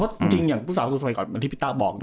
เพราะจริงอย่างทุกสาวสบายกว่าที่พี่ต้าบอก